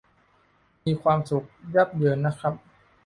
มีความสุขยับเยินนะครับ